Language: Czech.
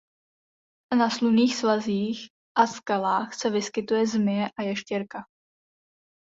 Na slunných svazích a skalách se vyskytuje zmije a ještěrka.